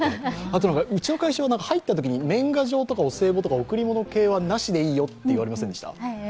あと、うちの会社は入ったときに年賀状とかお歳暮とか贈り物系はなしでいいよと言われませんでした？